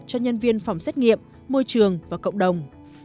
cho nhân viên phòng xét nghiệm môi trường và cộng đồng